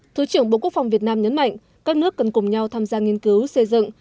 thứ trưởng bộ quốc phòng việt nam nhấn mạnh các nước cần cùng nhau tham gia nghiên cứu xây dựng